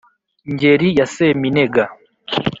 Ngeri ya Seminega